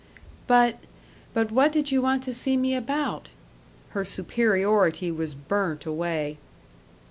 "But but what did you want to see me about?" Her superiority was burnt away.